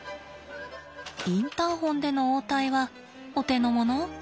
インターホンでの応対はお手のもの？